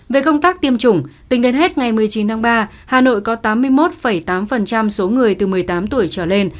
về công tác tiêm chủng tính đến hết ngày một mươi chín tháng ba hà nội có tám mươi một tám số người từ một mươi tám tuổi trở lên